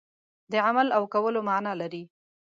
د عمل او کولو معنا لري.